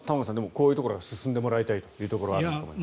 こういうところに進んでもらいたいというところはありますね。